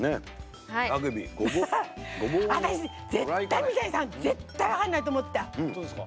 私、絶対、三谷さん分からないと思った。